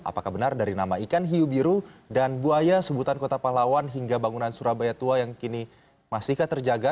apakah benar dari nama ikan hiu biru dan buaya sebutan kota pahlawan hingga bangunan surabaya tua yang kini masihkah terjaga